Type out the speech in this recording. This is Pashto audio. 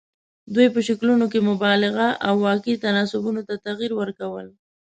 دوی په شکلونو کې مبالغه او واقعي تناسبونو ته تغیر ورکول.